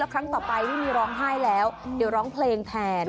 ครั้งต่อไปไม่มีร้องไห้แล้วเดี๋ยวร้องเพลงแทน